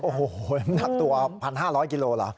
โอ้โหน้ำหนักตัว๑๕๐๐กิโลเหรอ